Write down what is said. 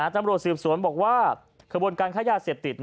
ตำรวจสืบสวนบอกว่าขบวนการค้ายาเสพติด